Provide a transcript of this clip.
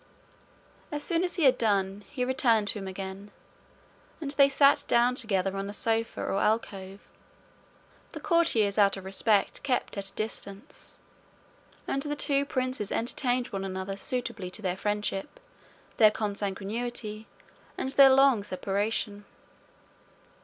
As soon as he had done, he returned to him again, and they sat down together on a sofa or alcove. The courtiers out of respect kept at a distance, and the two princes entertained one another suitably to their friendship, their consanguinity, and their long separation.